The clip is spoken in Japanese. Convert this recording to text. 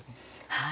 はい。